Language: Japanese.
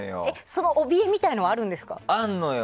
その怯えみたいのはあるんですか？